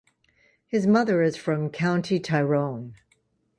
His mother is from County Tyrone.